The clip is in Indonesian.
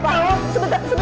maafkan alta disini